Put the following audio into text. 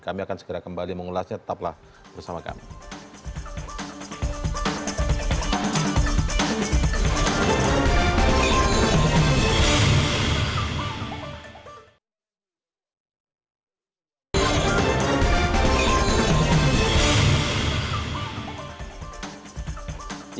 kami akan segera kembali mengulasnya tetaplah bersama kami